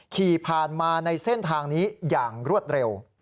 ขี่ผ่านมาในเส้นทางนี้อย่างรวดเร็ว